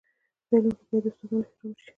په علم کي باید د استادانو احترام وسي.